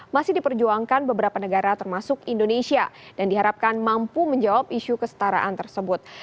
masih diperjuangkan beberapa negara termasuk indonesia dan diharapkan mampu menjawab isu kesetaraan tersebut